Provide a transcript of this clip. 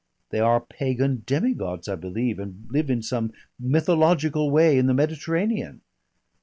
"They are pagan demigods, I believe, and live in some mythological way in the Mediterranean."